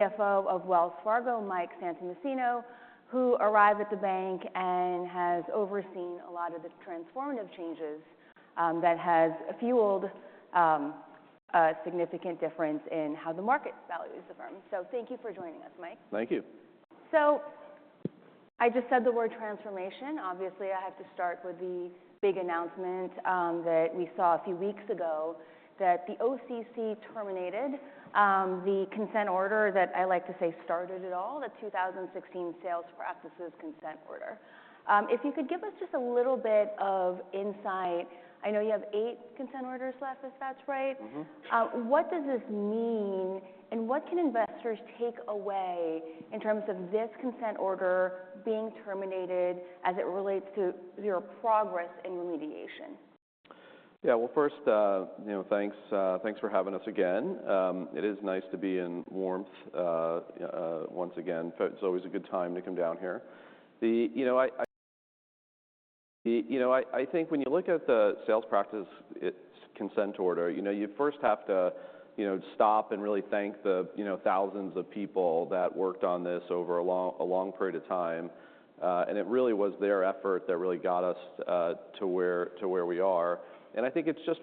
CFO of Wells Fargo, Mike Santomassimo, who arrived at the bank and has overseen a lot of the transformative changes that have fueled a significant difference in how the market values the firm. So thank you for joining us, Mike. Thank you. So I just said the word transformation. Obviously, I have to start with the big announcement that we saw a few weeks ago, that the OCC terminated the consent order that I like to say started it all, the 2016 sales practices consent order. If you could give us just a little bit of insight, I know you have eight consent orders left, if that's right. What does this mean, and what can investors take away in terms of this consent order being terminated as it relates to your progress in remediation? Yeah, well, first, thanks for having us again. It is nice to be in warmth once again. It's always a good time to come down here. I think when you look at the sales practices consent order, you first have to stop and really thank the thousands of people that worked on this over a long period of time. And it really was their effort that really got us to where we are. And I think it's just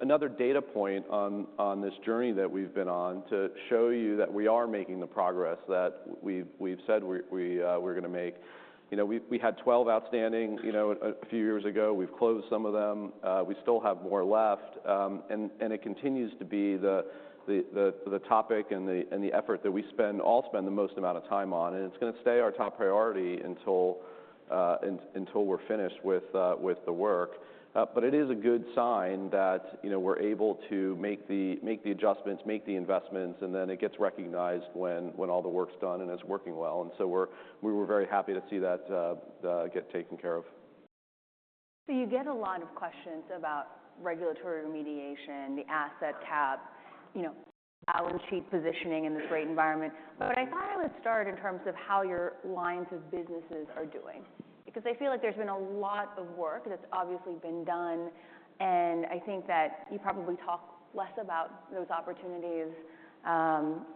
another data point on this journey that we've been on to show you that we are making the progress that we've said we're going to make. We had 12 outstanding a few years ago. We've closed some of them. We still have more left. And it continues to be the topic and the effort that we all spend the most amount of time on. It's going to stay our top priority until we're finished with the work. But it is a good sign that we're able to make the adjustments, make the investments, and then it gets recognized when all the work's done and it's working well. So we were very happy to see that get taken care of. So you get a lot of questions about regulatory remediation, the Asset Cap, balance sheet positioning in this rate environment. But I thought I would start in terms of how your lines of businesses are doing, because I feel like there's been a lot of work that's obviously been done. And I think that you probably talk less about those opportunities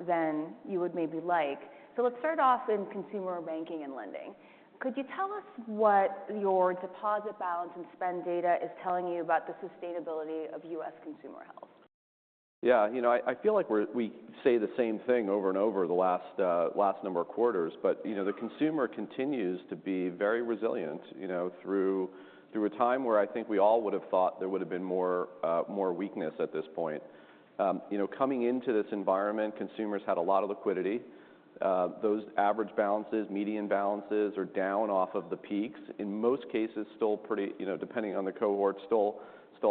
than you would maybe like. So let's start off in consumer banking and lending. Could you tell us what your deposit balance and spend data is telling you about the sustainability of U.S. consumer health? Yeah, I feel like we say the same thing over and over the last number of quarters. But the consumer continues to be very resilient through a time where I think we all would have thought there would have been more weakness at this point. Coming into this environment, consumers had a lot of liquidity. Those average balances, median balances, are down off of the peaks, in most cases still pretty, depending on the cohort, still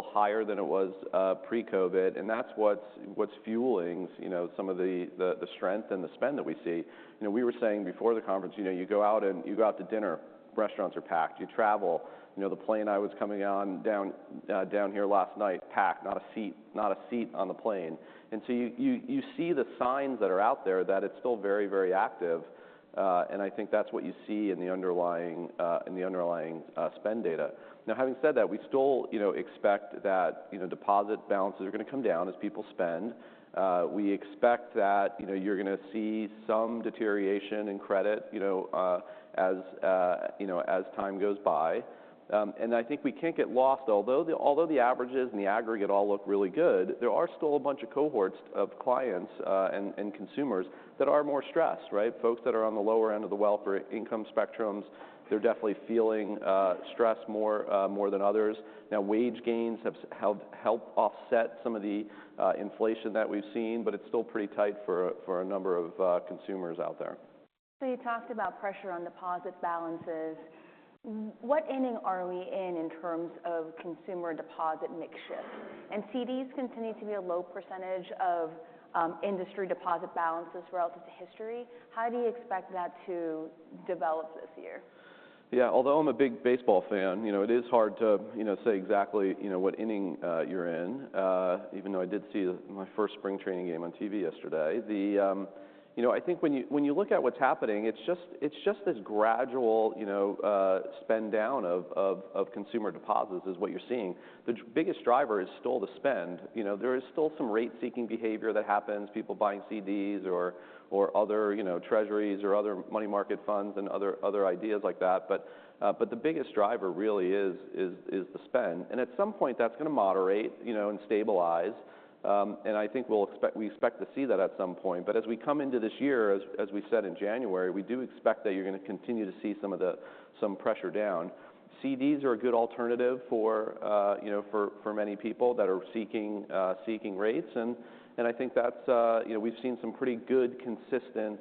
higher than it was pre-COVID. And that's what's fueling some of the strength and the spend that we see. We were saying before the conference, you go out to dinner, restaurants are packed. You travel. The plane I was coming down here last night, packed, not a seat on the plane. And so you see the signs that are out there that it's still very, very active. I think that's what you see in the underlying spend data. Now, having said that, we still expect that deposit balances are going to come down as people spend. We expect that you're going to see some deterioration in credit as time goes by. I think we can't get lost, although the averages and the aggregate all look really good, there are still a bunch of cohorts of clients and consumers that are more stressed, right? Folks that are on the lower end of the wealth or income spectrums, they're definitely feeling stress more than others. Now, wage gains have helped offset some of the inflation that we've seen, but it's still pretty tight for a number of consumers out there. So you talked about pressure on deposit balances. What inning are we in in terms of consumer deposit mix shift? And CDs continue to be a low percentage of industry deposit balances relative to history. How do you expect that to develop this year? Yeah, although I'm a big baseball fan, it is hard to say exactly what inning you're in, even though I did see my first spring training game on TV yesterday. I think when you look at what's happening, it's just this gradual spend down of consumer deposits is what you're seeing. The biggest driver is still the spend. There is still some rate-seeking behavior that happens, people buying CDs or other treasuries or other money market funds and other ideas like that. But the biggest driver really is the spend. And at some point, that's going to moderate and stabilize. And I think we expect to see that at some point. But as we come into this year, as we said in January, we do expect that you're going to continue to see some pressure down. CDs are a good alternative for many people that are seeking rates. I think we've seen some pretty good, consistent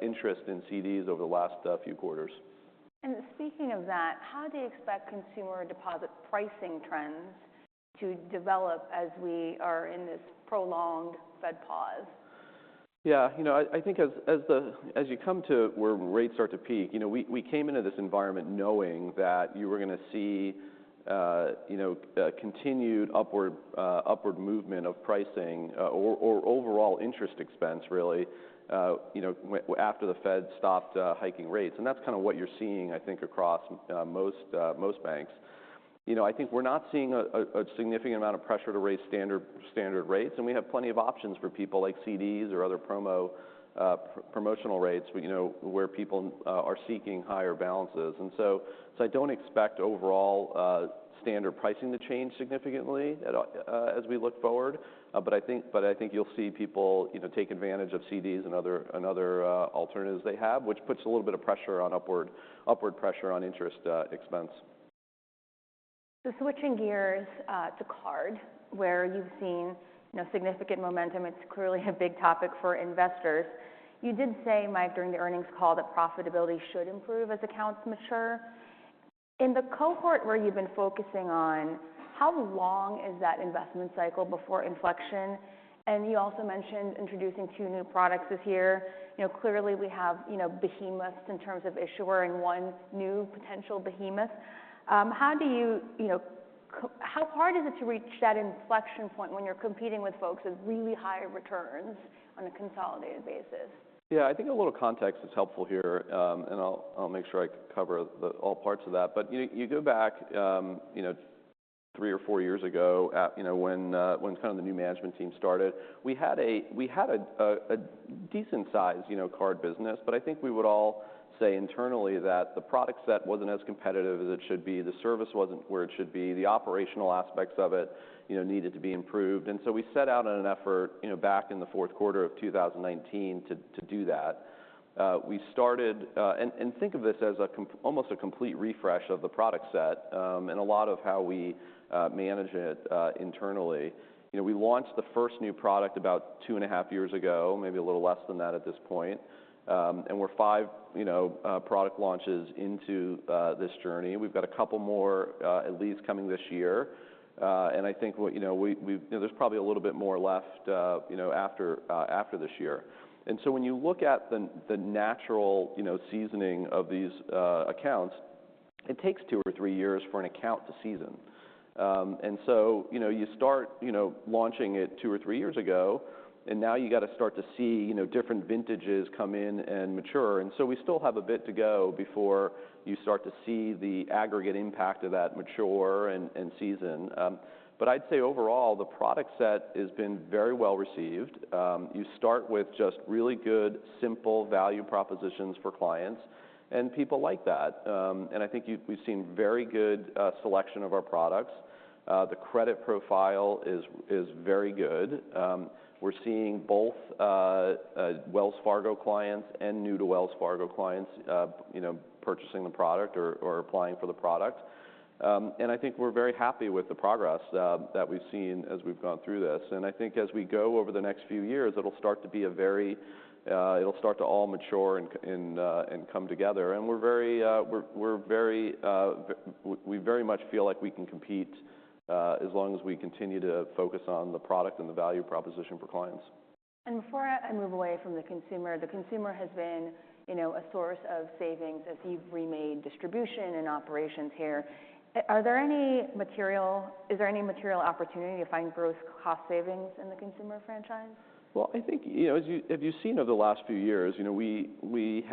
interest in CDs over the last few quarters. Speaking of that, how do you expect consumer deposit pricing trends to develop as we are in this prolonged Fed pause? Yeah, I think as you come to where rates start to peak, we came into this environment knowing that you were going to see continued upward movement of pricing or overall interest expense, really, after the Fed stopped hiking rates. And that's kind of what you're seeing, I think, across most banks. I think we're not seeing a significant amount of pressure to raise standard rates. And we have plenty of options for people, like CDs or other promotional rates, where people are seeking higher balances. And so I don't expect overall standard pricing to change significantly as we look forward. But I think you'll see people take advantage of CDs and other alternatives they have, which puts a little bit of pressure on upward pressure on interest expense. So switching gears to card, where you've seen significant momentum, it's clearly a big topic for investors. You did say, Mike, during the earnings call that profitability should improve as accounts mature. In the cohort where you've been focusing on, how long is that investment cycle before inflection? And you also mentioned introducing two new products this year. Clearly, we have behemoths in terms of issuer, and one new potential behemoth. How hard is it to reach that inflection point when you're competing with folks with really high returns on a consolidated basis? Yeah, I think a little context is helpful here. And I'll make sure I cover all parts of that. But you go back three or four years ago when kind of the new management team started, we had a decent-sized card business. But I think we would all say internally that the product set wasn't as competitive as it should be. The service wasn't where it should be. The operational aspects of it needed to be improved. And so we set out an effort back in the fourth quarter of 2019 to do that. And think of this as almost a complete refresh of the product set and a lot of how we manage it internally. We launched the first new product about 2.5 years ago, maybe a little less than that at this point. And we're five product launches into this journey. We've got a couple more at least coming this year. And I think there's probably a little bit more left after this year. And so when you look at the natural seasoning of these accounts, it takes two or three years for an account to season. And so you start launching it two or three years ago. And now you've got to start to see different vintages come in and mature. And so we still have a bit to go before you start to see the aggregate impact of that mature and season. But I'd say overall, the product set has been very well received. You start with just really good, simple value propositions for clients. And people like that. And I think we've seen a very good selection of our products. The credit profile is very good. We're seeing both Wells Fargo clients and new-to-Wells Fargo clients purchasing the product or applying for the product. And I think we're very happy with the progress that we've seen as we've gone through this. And I think as we go over the next few years, it'll start to all mature and come together. And we very much feel like we can compete as long as we continue to focus on the product and the value proposition for clients. Before I move away from the consumer, the consumer has been a source of savings as you've remade distribution and operations here. Is there any material opportunity to find gross cost savings in the consumer franchise? Well, I think as you've seen over the last few years, we've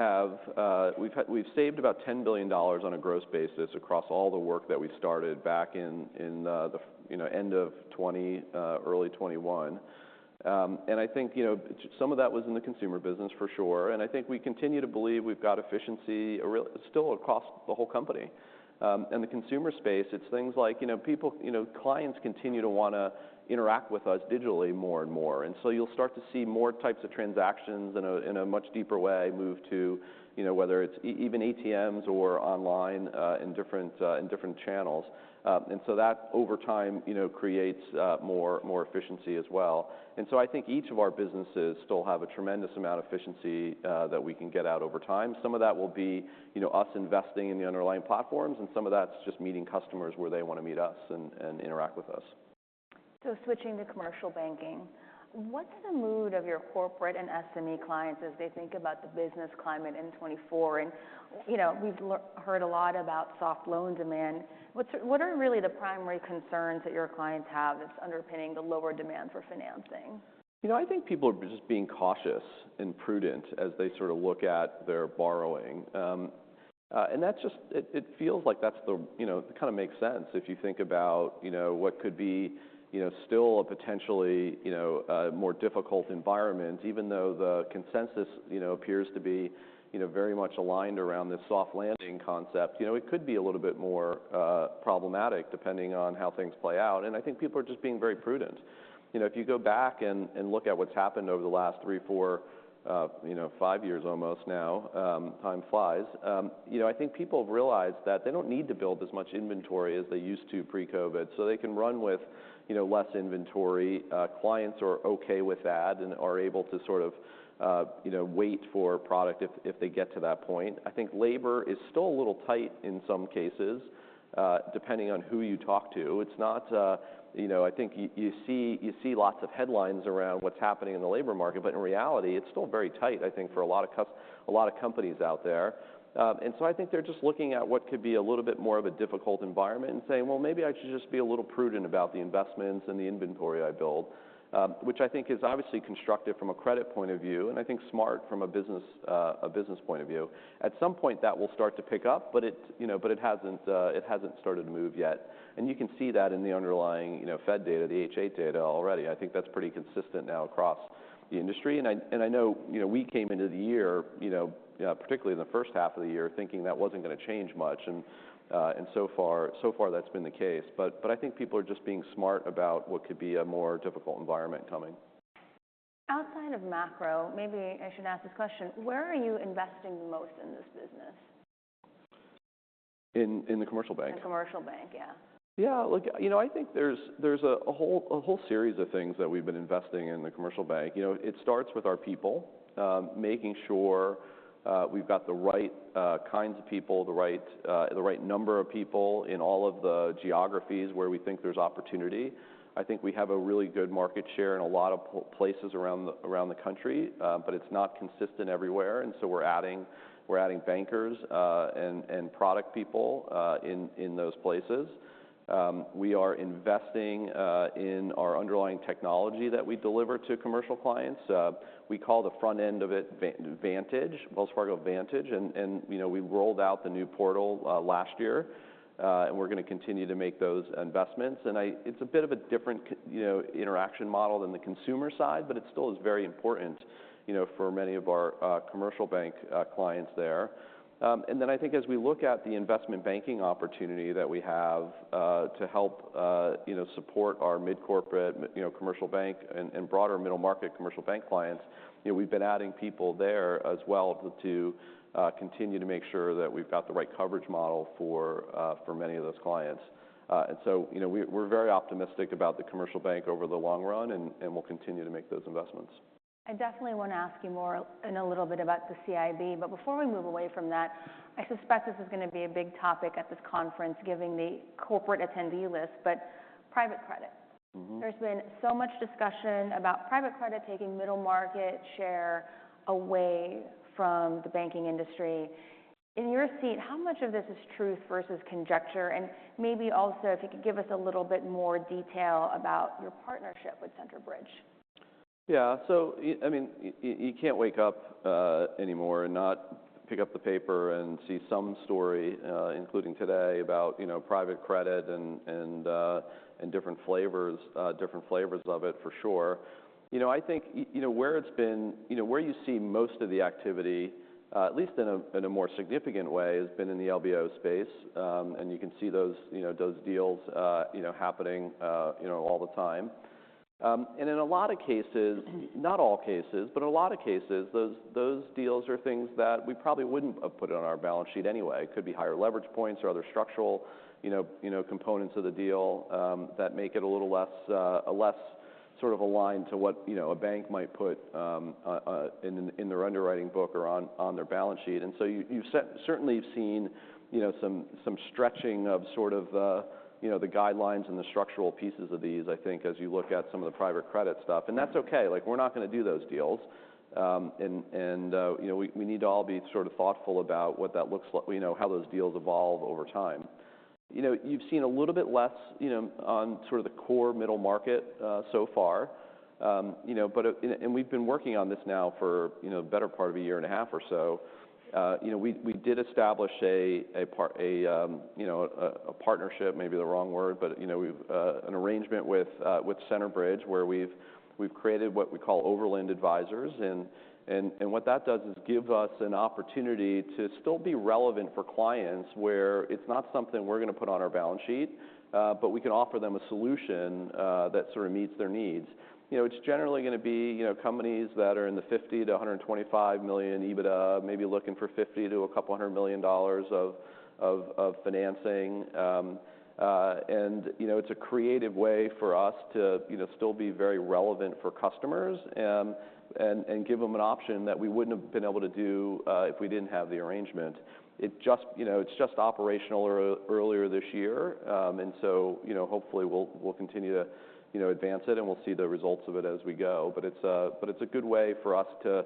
saved about $10 billion on a gross basis across all the work that we started back in the end of 2020, early 2021. And I think some of that was in the consumer business, for sure. And I think we continue to believe we've got efficiency still across the whole company. And the consumer space, it's things like clients continue to want to interact with us digitally more and more. And so you'll start to see more types of transactions in a much deeper way move to, whether it's even ATMs or online in different channels. And so that, over time, creates more efficiency as well. And so I think each of our businesses still have a tremendous amount of efficiency that we can get out over time. Some of that will be us investing in the underlying platforms. And some of that's just meeting customers where they want to meet us and interact with us. Switching to commercial banking, what's the mood of your corporate and SME clients as they think about the business climate in 2024? And we've heard a lot about soft loan demand. What are really the primary concerns that your clients have that's underpinning the lower demand for financing? I think people are just being cautious and prudent as they sort of look at their borrowing. And it feels like that kind of makes sense if you think about what could be still a potentially more difficult environment. Even though the consensus appears to be very much aligned around this soft landing concept, it could be a little bit more problematic depending on how things play out. And I think people are just being very prudent. If you go back and look at what's happened over the last three, four, five years almost now, time flies, I think people have realized that they don't need to build as much inventory as they used to pre-COVID. So they can run with less inventory. Clients are okay with that and are able to sort of wait for product if they get to that point. I think labor is still a little tight in some cases, depending on who you talk to. I think you see lots of headlines around what's happening in the labor market. But in reality, it's still very tight, I think, for a lot of companies out there. And so I think they're just looking at what could be a little bit more of a difficult environment and saying, well, maybe I should just be a little prudent about the investments and the inventory I build, which I think is obviously constructive from a credit point of view and I think smart from a business point of view. At some point, that will start to pick up. But it hasn't started to move yet. And you can see that in the underlying Fed data, the H.8 data, already. I think that's pretty consistent now across the industry. I know we came into the year, particularly in the first half of the year, thinking that wasn't going to change much. So far, that's been the case. I think people are just being smart about what could be a more difficult environment coming. Outside of macro, maybe I should ask this question. Where are you investing the most in this business? In the commercial bank. In the commercial bank, yeah. Yeah, look, I think there's a whole series of things that we've been investing in the commercial bank. It starts with our people, making sure we've got the right kinds of people, the right number of people in all of the geographies where we think there's opportunity. I think we have a really good market share in a lot of places around the country. But it's not consistent everywhere. And so we're adding bankers and product people in those places. We are investing in our underlying technology that we deliver to commercial clients. We call the front end of it Vantage, Wells Fargo Vantage. And we rolled out the new portal last year. And we're going to continue to make those investments. And it's a bit of a different interaction model than the consumer side. But it still is very important for many of our commercial bank clients there. Then I think as we look at the investment banking opportunity that we have to help support our mid-corporate commercial bank and broader middle-market commercial bank clients, we've been adding people there as well to continue to make sure that we've got the right coverage model for many of those clients. So we're very optimistic about the commercial bank over the long run. We'll continue to make those investments. I definitely want to ask you more in a little bit about the CIB. But before we move away from that, I suspect this is going to be a big topic at this conference, given the corporate attendee list, but private credit. There's been so much discussion about private credit taking middle-market share away from the banking industry. In your seat, how much of this is truth versus conjecture? And maybe also, if you could give us a little bit more detail about your partnership with Centerbridge. Yeah, so I mean, you can't wake up anymore and not pick up the paper and see some story, including today, about private credit and different flavors of it, for sure. I think where you see most of the activity, at least in a more significant way, has been in the LBO space. You can see those deals happening all the time. In a lot of cases, not all cases, but in a lot of cases, those deals are things that we probably wouldn't have put on our balance sheet anyway. It could be higher leverage points or other structural components of the deal that make it a little less sort of aligned to what a bank might put in their underwriting book or on their balance sheet. And so you've certainly seen some stretching of sort of the guidelines and the structural pieces of these, I think, as you look at some of the private credit stuff. That's okay. We're not going to do those deals. We need to all be sort of thoughtful about how those deals evolve over time. You've seen a little bit less on sort of the core middle market so far. We've been working on this now for the better part of a year and a half or so. We did establish a partnership, maybe the wrong word, but an arrangement with Centerbridge where we've created what we call Overland Advisors. What that does is give us an opportunity to still be relevant for clients where it's not something we're going to put on our balance sheet, but we can offer them a solution that sort of meets their needs. It's generally going to be companies that are in the $50 million-$125 million EBITDA, maybe looking for $50 million-$200 million of financing. It's a creative way for us to still be very relevant for customers and give them an option that we wouldn't have been able to do if we didn't have the arrangement. It's just operational earlier this year. Hopefully, we'll continue to advance it. We'll see the results of it as we go. But it's a good way for us to,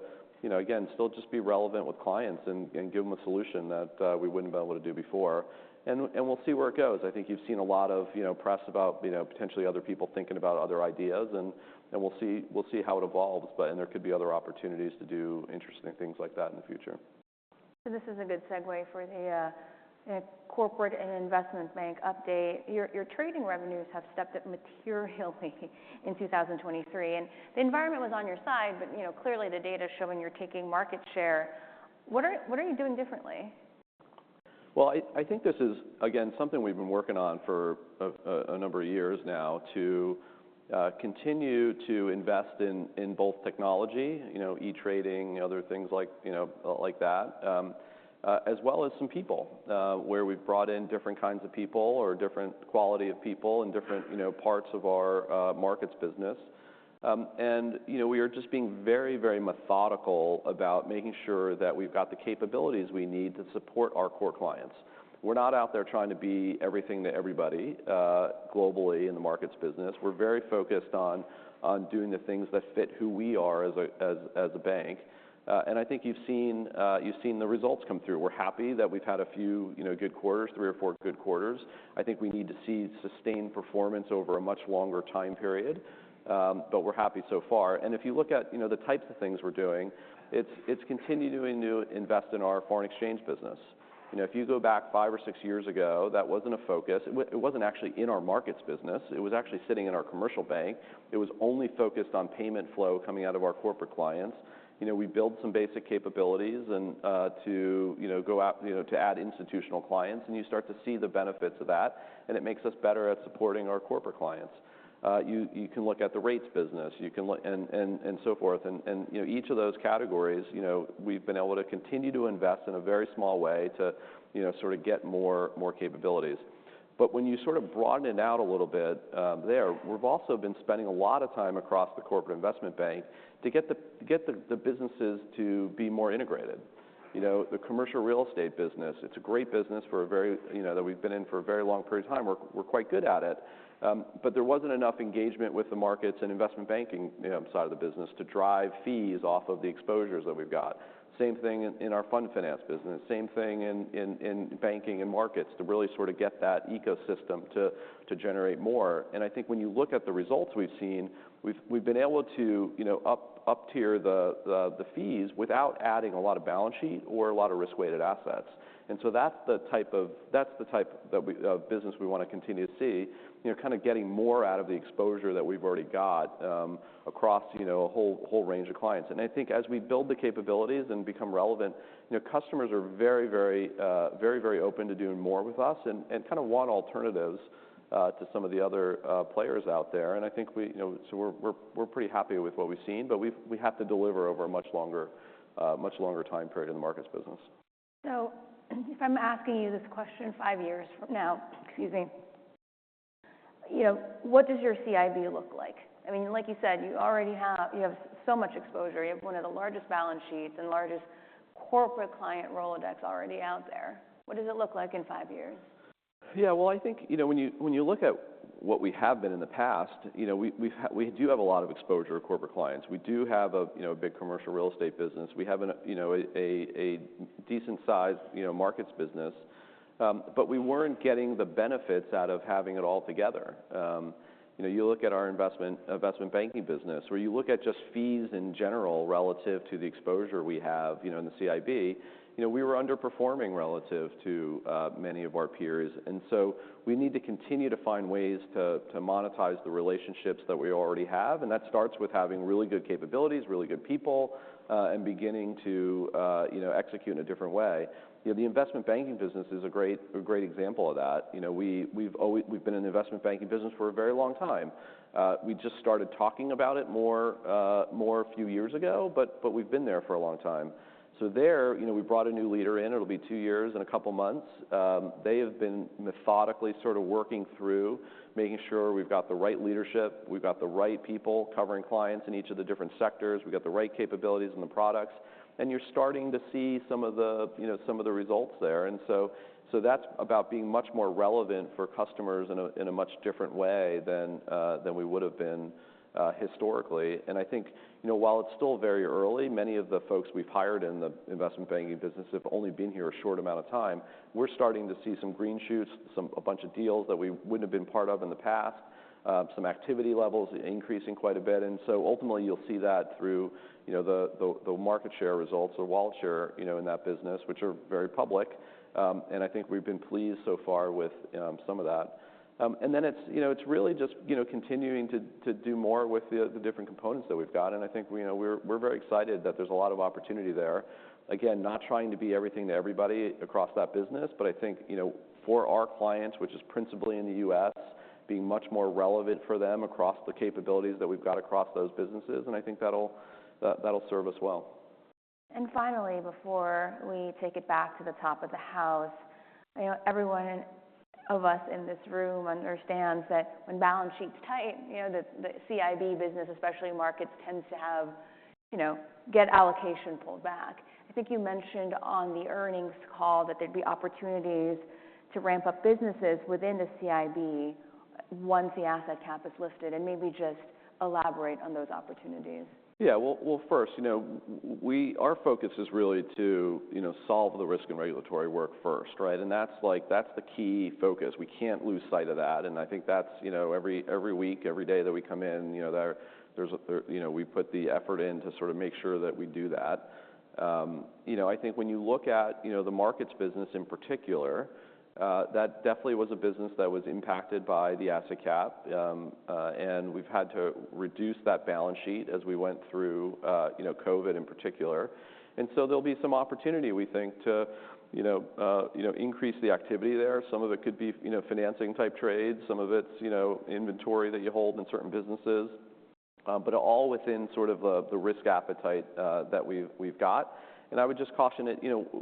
again, still just be relevant with clients and give them a solution that we wouldn't have been able to do before. And we'll see where it goes. I think you've seen a lot of press about potentially other people thinking about other ideas. And we'll see how it evolves. And there could be other opportunities to do interesting things like that in the future. This is a good segue for the corporate and investment bank update. Your trading revenues have stepped up materially in 2023. The environment was on your side. Clearly, the data is showing you're taking market share. What are you doing differently? Well, I think this is, again, something we've been working on for a number of years now to continue to invest in both technology, e-trading, other things like that, as well as some people where we've brought in different kinds of people or different quality of people in different parts of our markets business. We are just being very, very methodical about making sure that we've got the capabilities we need to support our core clients. We're not out there trying to be everything to everybody globally in the markets business. We're very focused on doing the things that fit who we are as a bank. I think you've seen the results come through. We're happy that we've had a few good quarters, three or four good quarters. I think we need to see sustained performance over a much longer time period. But we're happy so far. If you look at the types of things we're doing, it's continuing to invest in our foreign exchange business. If you go back five or six years ago, that wasn't a focus. It wasn't actually in our markets business. It was actually sitting in our commercial bank. It was only focused on payment flow coming out of our corporate clients. We build some basic capabilities to add institutional clients. You start to see the benefits of that. It makes us better at supporting our corporate clients. You can look at the rates business and so forth. Each of those categories, we've been able to continue to invest in a very small way to sort of get more capabilities. But when you sort of broaden it out a little bit there, we've also been spending a lot of time across the corporate investment bank to get the businesses to be more integrated. The commercial real estate business, it's a great business that we've been in for a very long period of time. We're quite good at it. But there wasn't enough engagement with the markets and investment banking side of the business to drive fees off of the exposures that we've got. Same thing in our fund finance business. Same thing in banking and markets to really sort of get that ecosystem to generate more. And I think when you look at the results we've seen, we've been able to up-tier the fees without adding a lot of balance sheet or a lot of risk-weighted assets. And so that's the type of business we want to continue to see, kind of getting more out of the exposure that we've already got across a whole range of clients. And I think as we build the capabilities and become relevant, customers are very, very, very, very open to doing more with us and kind of want alternatives to some of the other players out there. And I think we're pretty happy with what we've seen. But we have to deliver over a much longer time period in the markets business. So if I'm asking you this question five years from now, excuse me, what does your CIB look like? I mean, like you said, you have so much exposure. You have one of the largest balance sheets and largest corporate client Rolodex already out there. What does it look like in five years? Yeah, well, I think when you look at what we have been in the past, we do have a lot of exposure to corporate clients. We do have a big commercial real estate business. We have a decent-sized markets business. But we weren't getting the benefits out of having it all together. You look at our investment banking business, where you look at just fees in general relative to the exposure we have in the CIB, we were underperforming relative to many of our peers. And so we need to continue to find ways to monetize the relationships that we already have. And that starts with having really good capabilities, really good people, and beginning to execute in a different way. The investment banking business is a great example of that. We've been in the investment banking business for a very long time. We just started talking about it more a few years ago. But we've been there for a long time. So there, we brought a new leader in. It'll be two years and a couple months. They have been methodically sort of working through making sure we've got the right leadership. We've got the right people covering clients in each of the different sectors. We've got the right capabilities and the products. And you're starting to see some of the results there. And so that's about being much more relevant for customers in a much different way than we would have been historically. And I think while it's still very early, many of the folks we've hired in the investment banking business have only been here a short amount of time. We're starting to see some green shoots, a bunch of deals that we wouldn't have been part of in the past, some activity levels increasing quite a bit. And so ultimately, you'll see that through the market share results or wallet share in that business, which are very public. And I think we've been pleased so far with some of that. And then it's really just continuing to do more with the different components that we've got. And I think we're very excited that there's a lot of opportunity there. Again, not trying to be everything to everybody across that business. But I think for our clients, which is principally in the U.S., being much more relevant for them across the capabilities that we've got across those businesses. And I think that'll serve us well. And finally, before we take it back to the top of the house, everyone of us in this room understands that when balance sheet's tight, the CIB business, especially markets, tends to get allocation pulled back. I think you mentioned on the earnings call that there'd be opportunities to ramp up businesses within the CIB once the Asset Cap is lifted. And maybe just elaborate on those opportunities. Yeah, well, first, our focus is really to solve the risk and regulatory work first. That's the key focus. We can't lose sight of that. I think every week, every day that we come in, we put the effort in to sort of make sure that we do that. I think when you look at the markets business in particular, that definitely was a business that was impacted by the Asset Cap. We've had to reduce that balance sheet as we went through COVID in particular. So there'll be some opportunity, we think, to increase the activity there. Some of it could be financing-type trades. Some of it's inventory that you hold in certain businesses. But all within sort of the risk appetite that we've got. I would just caution it,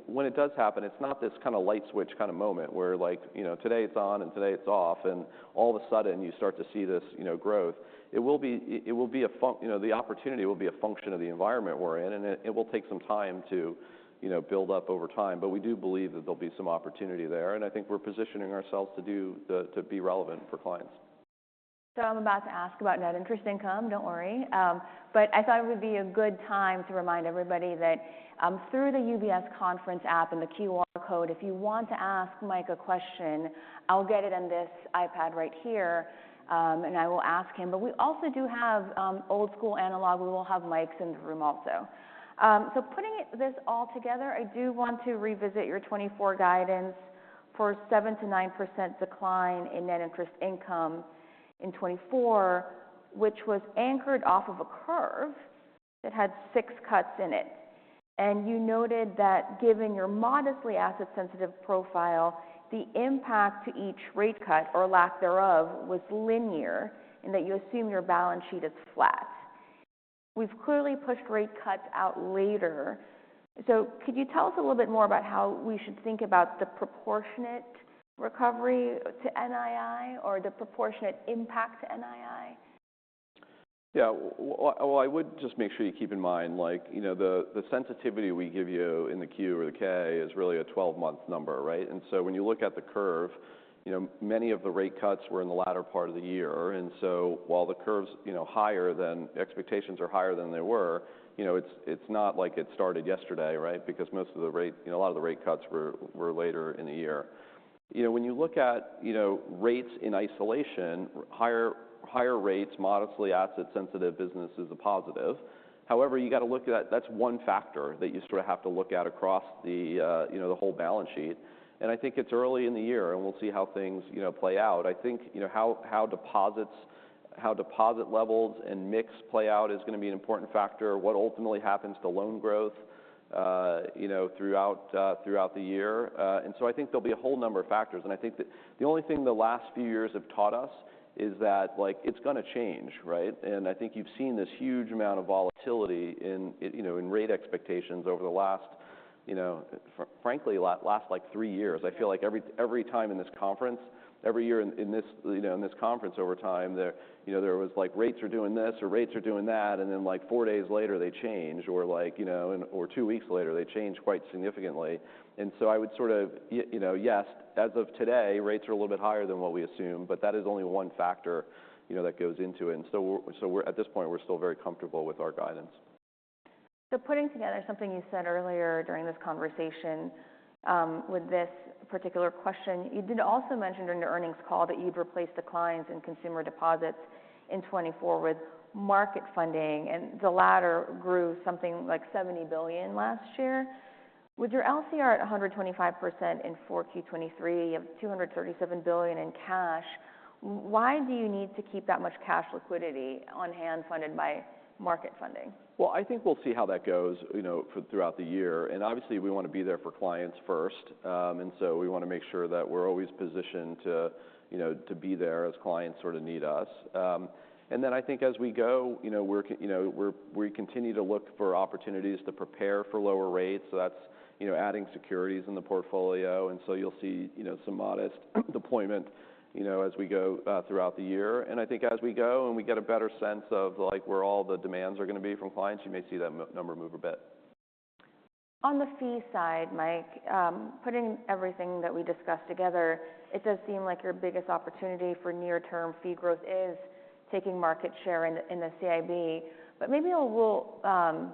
when it does happen, it's not this kind of light switch kind of moment where today it's on and today it's off. All of a sudden, you start to see this growth. The opportunity will be a function of the environment we're in. It will take some time to build up over time. But we do believe that there'll be some opportunity there. I think we're positioning ourselves to be relevant for clients. So I'm about to ask about net interest income. Don't worry. But I thought it would be a good time to remind everybody that through the UBS conference app and the QR code, if you want to ask Mike a question, I'll get it on this iPad right here. And I will ask him. But we also do have old school analog. We will have mics in the room also. So putting this all together, I do want to revisit your 2024 guidance for a 7%-9% decline in net interest income in 2024, which was anchored off of a curve that had six cuts in it. And you noted that given your modestly asset-sensitive profile, the impact to each rate cut or lack thereof was linear in that you assume your balance sheet is flat. We've clearly pushed rate cuts out later. Could you tell us a little bit more about how we should think about the proportionate recovery to NII or the proportionate impact to NII? Yeah, well, I would just make sure you keep in mind the sensitivity we give you in the Q or the K is really a 12-month number. And so when you look at the curve, many of the rate cuts were in the latter part of the year. And so while the curve's higher than expectations are higher than they were, it's not like it started yesterday because a lot of the rate cuts were later in the year. When you look at rates in isolation, higher rates, modestly asset-sensitive business is a positive. However, you've got to look at, that's one factor that you sort of have to look at across the whole balance sheet. And I think it's early in the year. And we'll see how things play out. I think how deposit levels and mix play out is going to be an important factor, what ultimately happens to loan growth throughout the year. And so I think there'll be a whole number of factors. And I think that the only thing the last few years have taught us is that it's going to change. And I think you've seen this huge amount of volatility in rate expectations over the last, frankly, last like three years. I feel like every time in this conference, every year in this conference over time, there was like, rates are doing this or rates are doing that. And then like four days later, they change. Or two weeks later, they change quite significantly. And so I would sort of, yes, as of today, rates are a little bit higher than what we assume. But that is only one factor that goes into it. At this point, we're still very comfortable with our guidance. So putting together something you said earlier during this conversation with this particular question, you did also mention during the earnings call that you'd replace declines in consumer deposits in 2024 with market funding. And the latter grew something like $70 billion last year. With your LCR at 125% in 4Q 2023, you have $237 billion in cash. Why do you need to keep that much cash liquidity on hand funded by market funding? Well, I think we'll see how that goes throughout the year. And obviously, we want to be there for clients first. And so we want to make sure that we're always positioned to be there as clients sort of need us. And then I think as we go, we continue to look for opportunities to prepare for lower rates. So that's adding securities in the portfolio. And so you'll see some modest deployment as we go throughout the year. And I think as we go and we get a better sense of where all the demands are going to be from clients, you may see that number move a bit. On the fee side, Mike, putting everything that we discussed together, it does seem like your biggest opportunity for near-term fee growth is taking market share in the CIB. But maybe we'll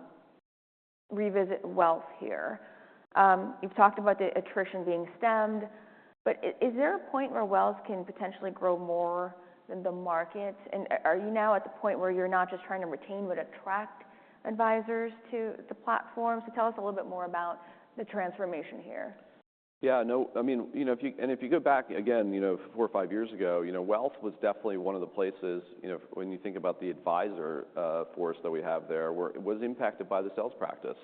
revisit wealth here. You've talked about the attrition being stemmed. But is there a point where Wells can potentially grow more than the market? And are you now at the point where you're not just trying to retain but attract advisors to the platform? So tell us a little bit more about the transformation here. Yeah, no, I mean, and if you go back again four or five years ago, wealth was definitely one of the places, when you think about the advisor force that we have there, was impacted by the sales practice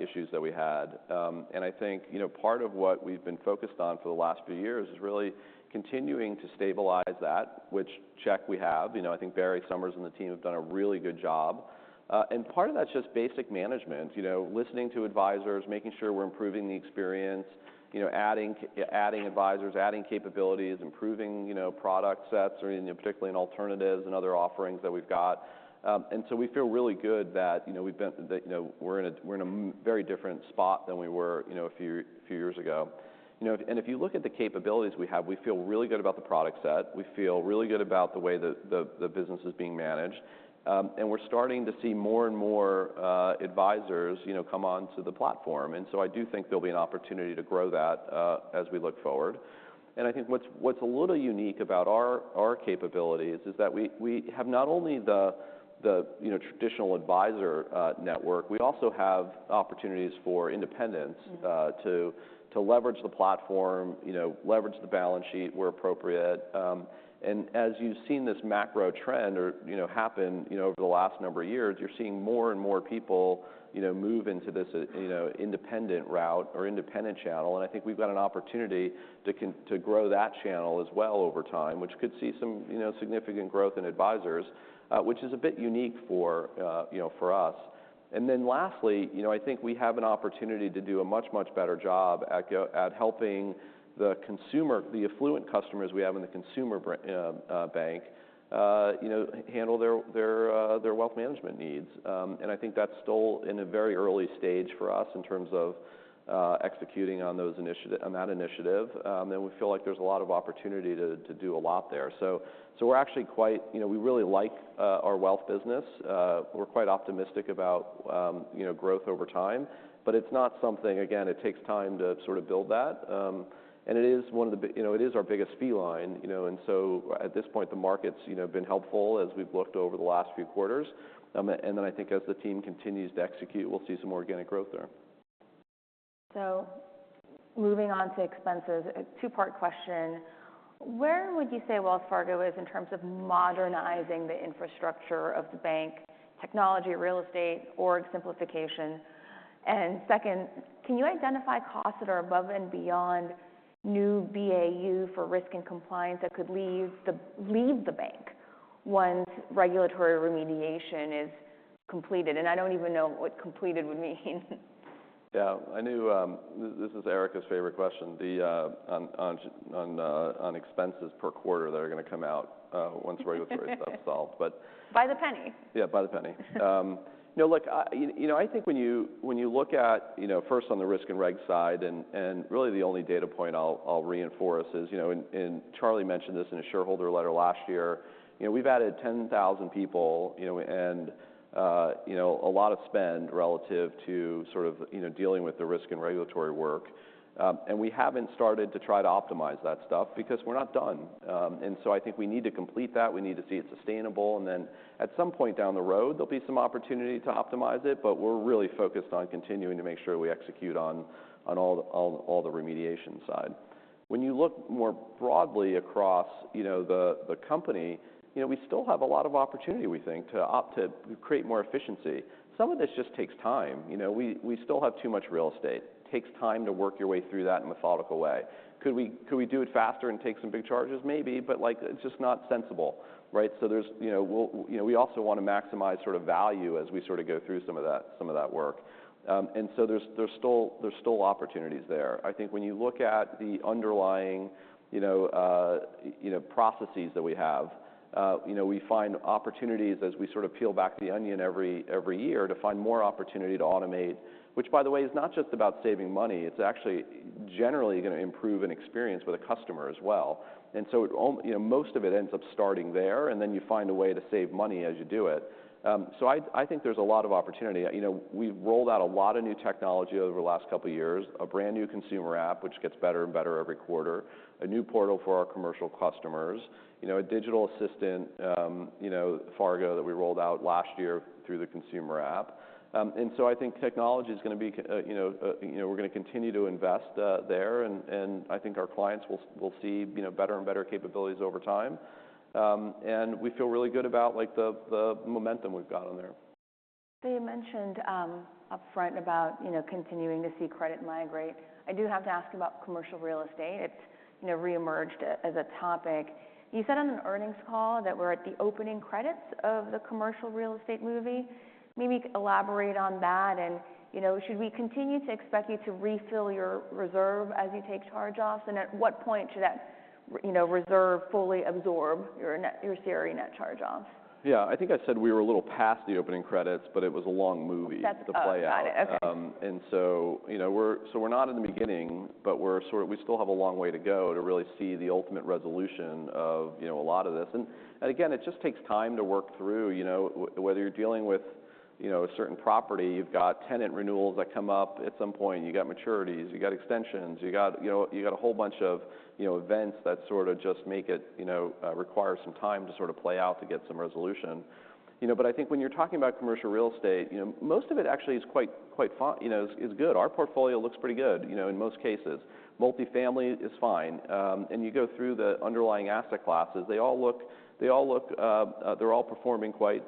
issues that we had. And I think part of what we've been focused on for the last few years is really continuing to stabilize that, which check we have. I think Barry Sommers and the team have done a really good job. And part of that's just basic management, listening to advisors, making sure we're improving the experience, adding advisors, adding capabilities, improving product sets, particularly in alternatives and other offerings that we've got. And so we feel really good that we're in a very different spot than we were a few years ago. And if you look at the capabilities we have, we feel really good about the product set. We feel really good about the way the business is being managed. We're starting to see more and more advisors come onto the platform. So I do think there'll be an opportunity to grow that as we look forward. I think what's a little unique about our capabilities is that we have not only the traditional advisor network. We also have opportunities for independents to leverage the platform, leverage the balance sheet where appropriate. As you've seen this macro trend happen over the last number of years, you're seeing more and more people move into this independent route or independent channel. I think we've got an opportunity to grow that channel as well over time, which could see some significant growth in advisors, which is a bit unique for us. And then lastly, I think we have an opportunity to do a much, much better job at helping the affluent customers we have in the consumer bank handle their wealth management needs. And I think that's still in a very early stage for us in terms of executing on that initiative. And we feel like there's a lot of opportunity to do a lot there. So we're actually quite. We really like our wealth business. We're quite optimistic about growth over time. But it's not something, again, it takes time to sort of build that. And it is one of our biggest fee lines. And so at this point, the market's been helpful as we've looked over the last few quarters. And then I think as the team continues to execute, we'll see some organic growth there. Moving on to expenses, a two-part question. Where would you say Wells Fargo is in terms of modernizing the infrastructure of the bank, technology, real estate, org simplification? And second, can you identify costs that are above and beyond new BAU for risk and compliance that could leave the bank once regulatory remediation is completed? And I don't even know what completed would mean. Yeah, I knew this is Erika's favorite question on expenses per quarter that are going to come out once regulatory stuff's solved. By the penny. Yeah, by the penny. No, look, I think when you look at first on the risk and reg side, and really the only data point I'll reinforce is, and Charlie mentioned this in a shareholder letter last year, we've added 10,000 people and a lot of spend relative to sort of dealing with the risk and regulatory work. And we haven't started to try to optimize that stuff because we're not done. And so I think we need to complete that. We need to see it sustainable. And then at some point down the road, there'll be some opportunity to optimize it. But we're really focused on continuing to make sure we execute on all the remediation side. When you look more broadly across the company, we still have a lot of opportunity, we think, to create more efficiency. Some of this just takes time. We still have too much real estate. It takes time to work your way through that in a methodical way. Could we do it faster and take some big charges? Maybe. But it's just not sensible. So we also want to maximize sort of value as we sort of go through some of that work. And so there's still opportunities there. I think when you look at the underlying processes that we have, we find opportunities as we sort of peel back the onion every year to find more opportunity to automate, which, by the way, is not just about saving money. It's actually generally going to improve an experience with a customer as well. And so most of it ends up starting there. And then you find a way to save money as you do it. So I think there's a lot of opportunity. We've rolled out a lot of new technology over the last couple of years, a brand new consumer app, which gets better and better every quarter, a new portal for our commercial customers, a digital assistant Fargo that we rolled out last year through the consumer app. And so I think technology is going to be we're going to continue to invest there. And I think our clients will see better and better capabilities over time. And we feel really good about the momentum we've got on there. So you mentioned upfront about continuing to see credit migrate. I do have to ask about commercial real estate. It's reemerged as a topic. You said on an earnings call that we're at the opening credits of the commercial real estate movie. Maybe elaborate on that. And should we continue to expect you to refill your reserve as you take charge-offs? And at what point should that reserve fully absorb your CRE net charge-offs? Yeah, I think I said we were a little past the opening credits. But it was a long movie, the playout. That's all right. Okay. And so we're not in the beginning. But we still have a long way to go to really see the ultimate resolution of a lot of this. And again, it just takes time to work through. Whether you're dealing with a certain property, you've got tenant renewals that come up at some point. You've got maturities. You've got extensions. You've got a whole bunch of events that sort of just make it require some time to sort of play out to get some resolution. But I think when you're talking about commercial real estate, most of it actually is quite good. Our portfolio looks pretty good in most cases. Multifamily is fine. And you go through the underlying asset classes, they all look; they're all performing quite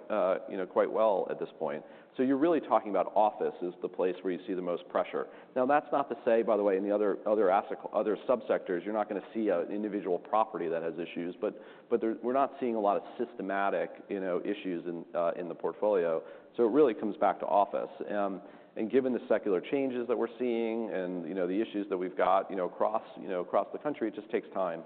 well at this point. So you're really talking about office; it's the place where you see the most pressure. Now, that's not to say, by the way, in the other subsectors, you're not going to see an individual property that has issues. But we're not seeing a lot of systematic issues in the portfolio. So it really comes back to office. And given the secular changes that we're seeing and the issues that we've got across the country, it just takes time.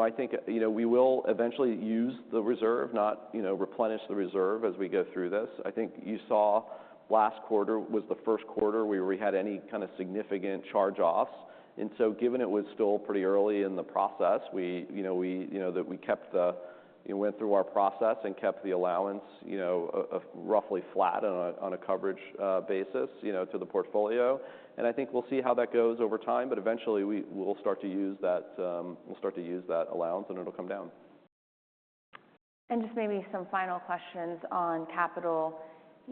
I think we will eventually use the reserve, not replenish the reserve as we go through this. I think you saw last quarter was the first quarter where we had any kind of significant charge-offs. And so given it was still pretty early in the process, we went through our process and kept the allowance roughly flat on a coverage basis to the portfolio. And I think we'll see how that goes over time. But eventually, we'll start to use that allowance. And it'll come down. Just maybe some final questions on capital.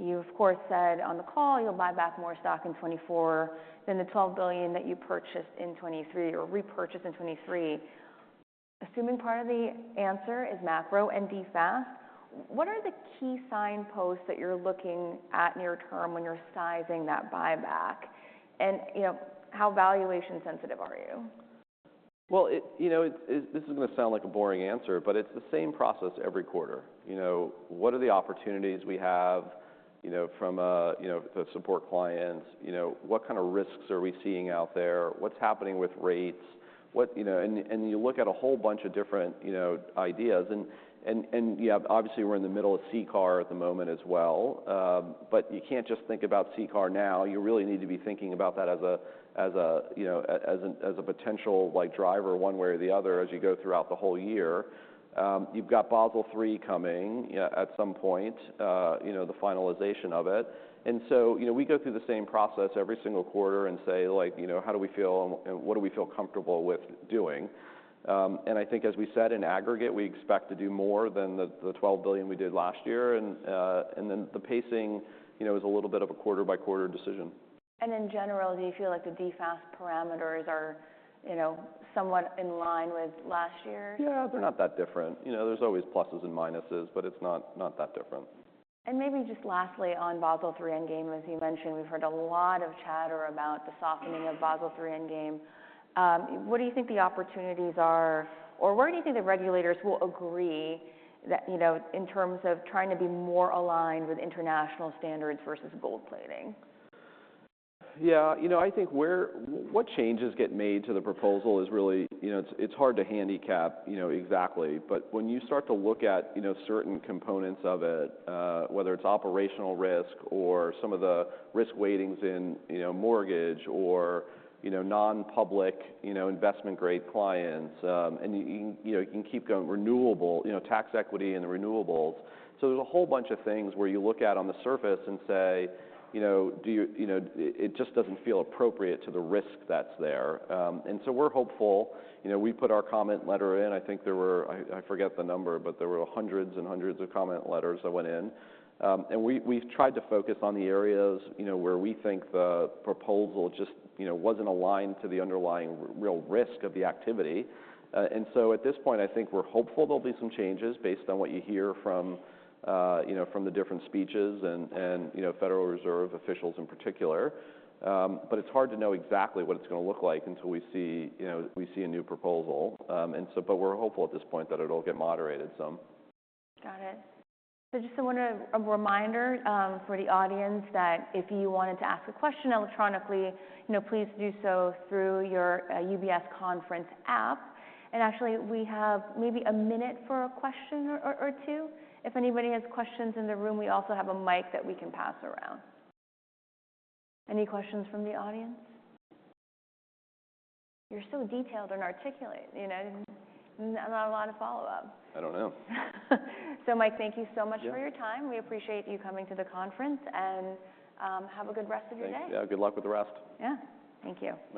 You, of course, said on the call you'll buy back more stock in 2024 than the $12 billion that you purchased in 2023 or repurchased in 2023. Assuming part of the answer is macro and DFAST, what are the key signposts that you're looking at near term when you're sizing that buyback? And how valuation-sensitive are you? Well, this is going to sound like a boring answer. But it's the same process every quarter. What are the opportunities we have from the support clients? What kind of risks are we seeing out there? What's happening with rates? And you look at a whole bunch of different ideas. And yeah, obviously, we're in the middle of CCAR at the moment as well. But you can't just think about CCAR now. You really need to be thinking about that as a potential driver one way or the other as you go throughout the whole year. You've got Basel III coming at some point, the finalization of it. And so we go through the same process every single quarter and say, how do we feel? And what do we feel comfortable with doing? I think as we said, in aggregate, we expect to do more than the $12 billion we did last year. Then the pacing is a little bit of a quarter-by-quarter decision. In general, do you feel like the DFAST parameters are somewhat in line with last year's? Yeah, they're not that different. There's always pluses and minuses. But it's not that different. Maybe just lastly on Basel III Endgame, as you mentioned, we've heard a lot of chatter about the softening of Basel III Endgame. What do you think the opportunities are? Or where do you think the regulators will agree in terms of trying to be more aligned with international standards versus gold plating? Yeah, I think what changes get made to the proposal is really it's hard to handicap exactly. But when you start to look at certain components of it, whether it's operational risk or some of the risk weightings in mortgage or non-public investment-grade clients, and you can keep going renewable tax equity and the renewables. So there's a whole bunch of things where you look at on the surface and say, it just doesn't feel appropriate to the risk that's there. And so we're hopeful. We put our comment letter in. I think there were I forget the number. But there were hundreds and hundreds of comment letters that went in. And we've tried to focus on the areas where we think the proposal just wasn't aligned to the underlying real risk of the activity. At this point, I think we're hopeful there'll be some changes based on what you hear from the different speeches and Federal Reserve officials in particular. It's hard to know exactly what it's going to look like until we see a new proposal. We're hopeful at this point that it'll get moderated some. Got it. So just a reminder for the audience that if you wanted to ask a question electronically, please do so through your UBS Conference app. And actually, we have maybe a minute for a question or two. If anybody has questions in the room, we also have a mic that we can pass around. Any questions from the audience? You're so detailed and articulate. Not a lot of follow-up. I don't know. Mike, thank you so much for your time. We appreciate you coming to the conference. Have a good rest of your day. Yeah, good luck with the rest. Yeah, thank you.